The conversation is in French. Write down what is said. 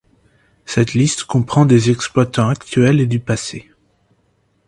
Cette liste comprend des exploitants actuels et du passé.